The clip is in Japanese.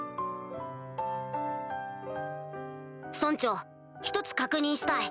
村長１つ確認したい。